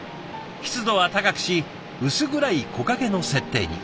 湿度は高くし薄暗い木陰の設定に。